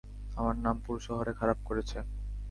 আমার নাম পুরো শহরে খারাপ করেছে।